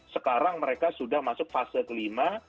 sekarang mereka sudah masuk fase kelima